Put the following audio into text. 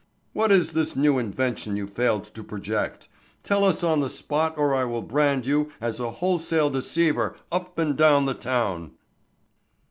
What is this new invention you failed to project? Tell us on the spot or I will brand you as a wholesale deceiver up and down the town."